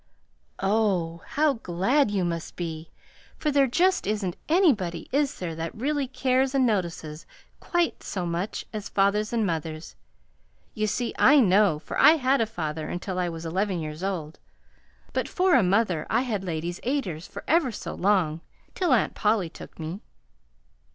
"Oh, how glad you must be! For there just isn't anybody, is there, that really CARES and notices quite so much as fathers and mothers. You see I know, for I had a father until I was eleven years old; but, for a mother, I had Ladies' Aiders for ever so long, till Aunt Polly took me.